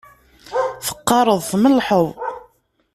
Teqqareḍ tmellḥeḍ